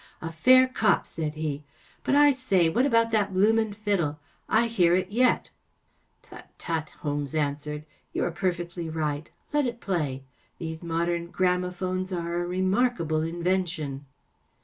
“ A fair cop f ‚ÄĚ said he. But, I say, what about that bloomin’ fiddle! I hear it yet.‚ÄĚ " Tut, tut! ‚ÄĚ Holmes answered. " You are perfectly right. Let it play f These modem gramophones are a remarkable invention.